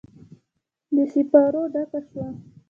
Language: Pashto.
د سیپارو ډکه شوه